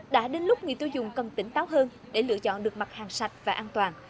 đã đến lúc người tiêu dùng cần tỉnh táo hơn để lựa chọn được mặt hàng sạch và an toàn